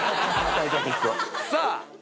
さあ